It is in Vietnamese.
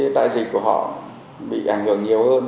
đại dịch của họ bị ảnh hưởng nhiều hơn